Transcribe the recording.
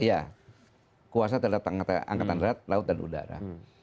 iya kuasa terdekat angkatan rakyat laut dan udara